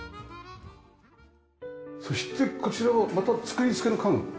そしてこちらはまた作り付けの家具。